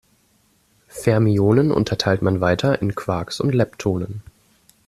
Fermionen unterteilt man weiter in Quarks und Leptonen.